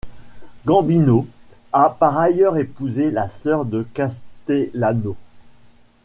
Gambino a par ailleurs épousé la sœur de Castellano.